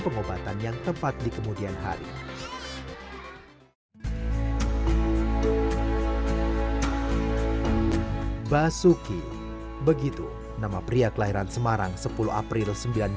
pengobatan yang tepat di kemudian hari basuki begitu nama pria kelahiran semarang sepuluh april